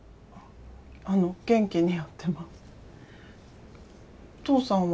あの元気にやってます。